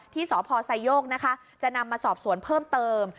ที่สพไซโยกนะคะจะนำมาสอบสวนเพิ่มเติม